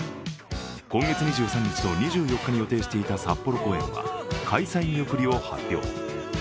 今月２３日と２４日に予定していた札幌公演は開催見送りを発表。